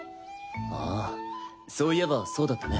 あぁそういえばそうだったね。